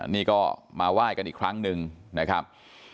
นี่ก็มาไหว้กันอีกครั้งหนึ่งนะครับ